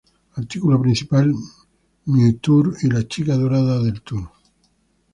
Artículo principal: Mío Tour y La Chica Dorada Tour